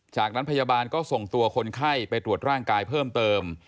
จากนั้นพยาบาลก็ส่งตัวคนไข้ไปตรวจร่างกายเพิ่มเติม